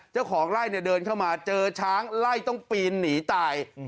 เจ้าของไร่เนี่ยเดินเข้ามาเจอช้างไล่ต้องปีนหนีตาย